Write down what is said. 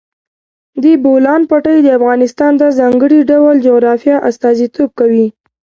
د بولان پټي د افغانستان د ځانګړي ډول جغرافیه استازیتوب کوي.